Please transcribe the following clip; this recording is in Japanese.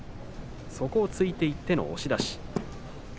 そこを突いていっての押し出し。